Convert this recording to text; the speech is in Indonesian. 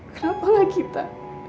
kenapa gak kita